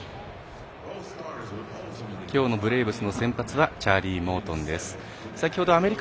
きょうのブレーブスの先発チャーリー・モートンです。